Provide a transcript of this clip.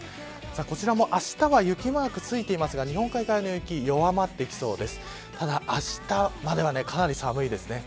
こちらも、あしたは雪マークが付いていますが日本海側の雪弱まってきそうです。